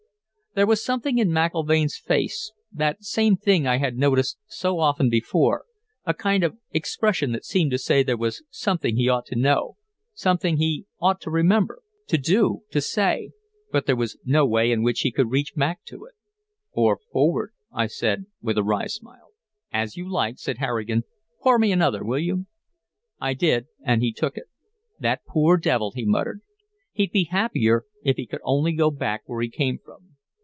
There was something in McIlvaine's face that same thing I had noticed so often before, a kind of expression that seemed to say there was something he ought to know, something he ought to remember, to do, to say, but there was no way in which he could reach back to it." "Or forward," I said with a wry smile. "As you like," said Harrigan. "Pour me another, will you?" I did and he took it. "That poor devil!" he muttered. "He'd be happier if he could only go back where he came from."